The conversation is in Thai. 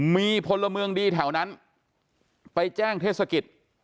มีพลเมืองดีแถวนั้นไปแจ้งเทศกิจ